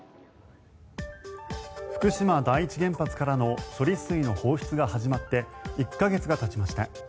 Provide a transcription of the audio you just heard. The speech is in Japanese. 福島第一原発からの処理水の放出が始まって１か月がたちました。